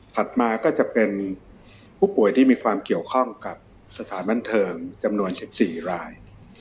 มาก็จะเป็นผู้ป่วยที่มีความเกี่ยวข้องกับสถานบันเทิงจำนวน๑๔ราย